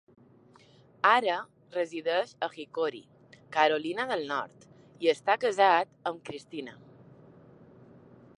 Ara resideix a Hickory, Carolina del Nord, i està casat amb Cristina.